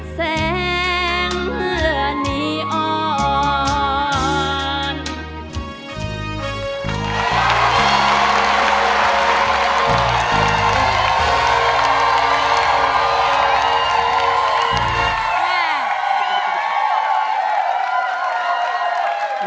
แสงเหลือนี่อ่อน